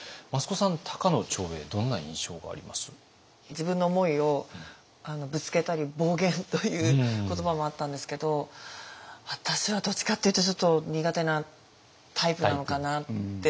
自分の思いをぶつけたり暴言という言葉もあったんですけど私はどっちかっていうとちょっと苦手なタイプなのかなって思いました。